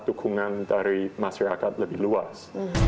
dukungan dari masyarakat lebih luas